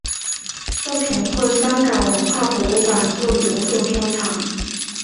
作品获香港文化博物馆作永久收藏。